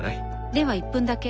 では１分だけ。